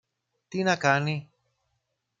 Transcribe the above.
Τι να κάνει;